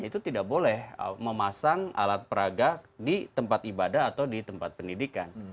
itu tidak boleh memasang alat peraga di tempat ibadah atau di tempat pendidikan